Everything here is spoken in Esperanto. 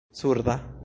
surda